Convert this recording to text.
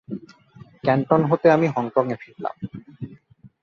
Canton হতে আমি হংকঙে ফিরলাম।